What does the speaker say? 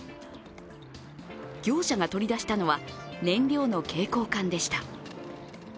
業者が取り出したのは燃料の携行缶でした。